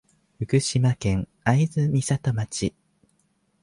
福島県会津美里町